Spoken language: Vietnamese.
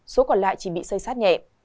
số còn lại chỉ bị xây sát nhẹ